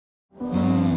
うん。